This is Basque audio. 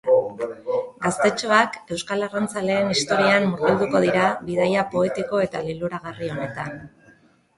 Gaztetxoak euskal arrantzaleen historian murgilduko dira bidaia poetiko eta liluragarri honetan.